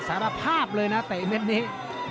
สารภาพเลยตี่เม็ดนี้